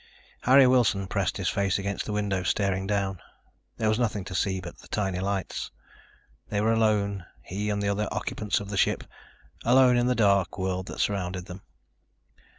Harry Wilson pressed his face against the window, staring down. There was nothing to see but the tiny lights. They were alone, he and the other occupants of the ship ... alone in the dark world that surrounded them.